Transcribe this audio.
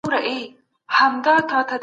مشران چیري نړیوالي غونډي تنظیموي؟